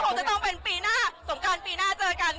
เทอร์จีริสินคอร์ไทยรัฐทีวีรายงานจากบริเวณตลาดเจ้าพรม